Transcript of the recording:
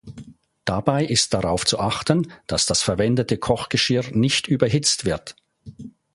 Dabei ist darauf zu achten, dass das verwendete Kochgeschirr nicht überhitzt wird.